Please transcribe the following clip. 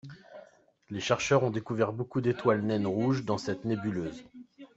Les chercheurs ont découvert beaucoup d'étoiles naines rouges dans cette nébuleuse.